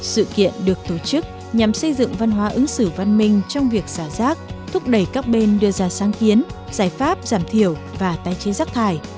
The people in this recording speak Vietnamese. sự kiện được tổ chức nhằm xây dựng văn hóa ứng xử văn minh trong việc xả rác thúc đẩy các bên đưa ra sáng kiến giải pháp giảm thiểu và tái chế rác thải